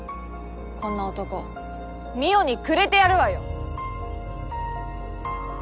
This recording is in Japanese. こんな男望緒にくれてやるわよ！